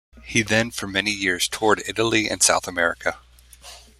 He then for many years toured Italy and South America.